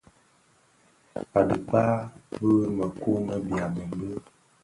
A dhikpaa, bi mëku më byamèn bi.